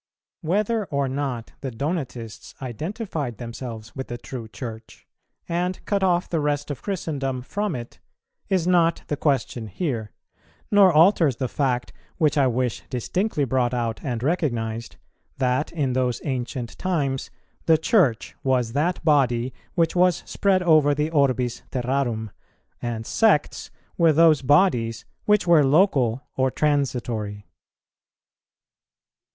Whether or not the Donatists identified themselves with the true Church, and cut off the rest of Christendom from it, is not the question here, nor alters the fact which I wish distinctly brought out and recognized, that in those ancient times the Church was that Body which was spread over the orbis terrarum, and sects were those bodies which were local or transitory.